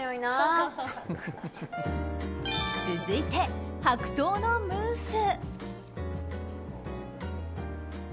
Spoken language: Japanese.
続いて、白桃のムース。